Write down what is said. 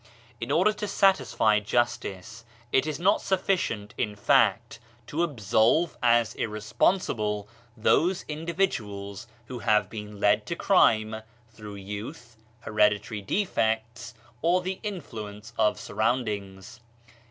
In order to satisfy justice it is not sufficient, in fact, to absolve as irre sponsible those individuals who have been led to crime through youth, hereditary defects, or the influence of surroundings.